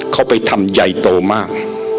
เขาไปทำใหญ่โตมาก